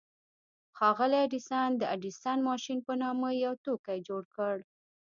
ښاغلي ايډېسن د ايډېسن ماشين په نامه يو توکی جوړ کړ.